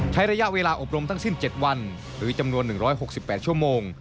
ใช้ระยะเวลาอบรมทั้งสิ้น๗วันหรือจำนวน๑๖๘ชั่วโมง